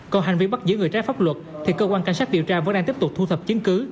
còn hành vi bắt giữ người trái pháp luật thì cơ quan cảnh sát điều tra vẫn đang tiếp tục thu thập chứng cứ